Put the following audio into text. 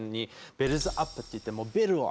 ベルズアップっていってもうベルを上げて。